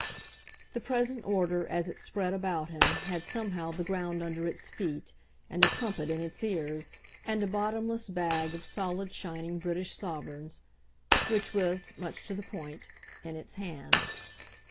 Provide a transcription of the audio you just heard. The present order, as it spread about him, had somehow the ground under its feet, and a trumpet in its ears, and a bottomless bag of solid shining British sovereigns which was much to the point in its hand.